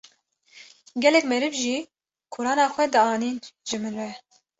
Gelek meriv jî Qu’rana xwe dianîn ji min re.